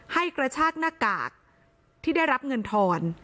กระชากหน้ากากที่ได้รับเงินทอน